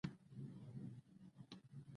سیاسي، عدلي او قضایي، اقتصادي، امنیتي